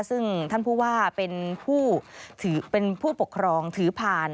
ซึ่งท่านพูดว่าเป็นผู้ปกครองถือผ่าน